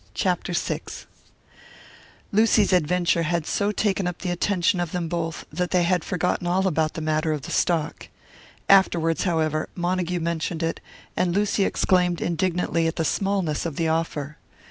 CHAPTER VI Lucy's adventure had so taken up the attention of them both that they had forgotten all about the matter of the stock. Afterwards, however, Montague mentioned it, and Lucy exclaimed indignantly at the smallness of the offer.